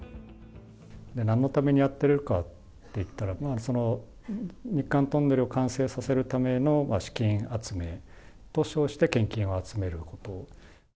なんのためにやってるかっていったら、日韓トンネル完成させるための資金集めと称して、献金を集めること。